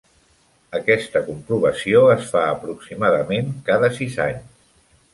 Aquesta comprovació es fa aproximadament cada sis anys.